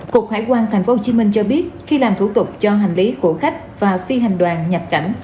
cục hải quan tp hcm cho biết khi làm thủ tục cho hành lý của khách và phi hành đoàn nhập cảnh